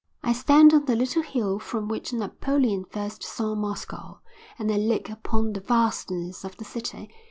I stand on the little hill from which Napoleon first saw Moscow and I look upon the vastness of the city.